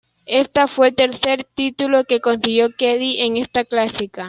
Esta fue el tercer título que consiguió Kelly en esta clásica.